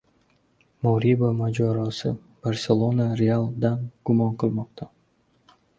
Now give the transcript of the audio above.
Moriba mojarosi: "Barselona" "Real"dan gumon qilmoqda